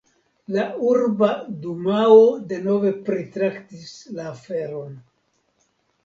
La la urba dumao denove pritraktis la aferon.